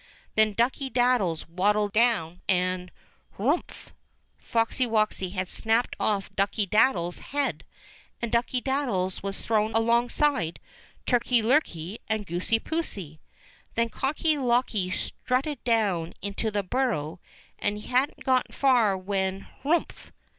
Then Ducky daddies waddled down, and — "Hrumph!" Foxy woxy had snapped off Ducky daddies* head and Ducky daddies was thrown alongside Turkey lurkey and Goosey poosey. Then Cocky locky strutted down into the burrow and he hadn't gone far when — "Hrumph!"